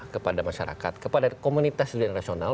kepada masyarakat kepada komunitas di dunia nasional